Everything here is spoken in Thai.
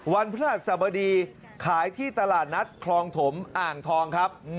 วันพระนาศาสตร์บดีขายที่ตลาดนัดคลองถมอ่างทองครับ